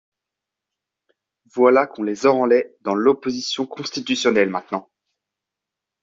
Voilà qu'on les enrôlait dans l'Opposition Constitutionnelle, maintenant!